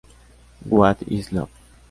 What is Love?